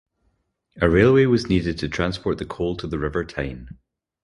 A railway was needed to transport the coal to the River Tyne.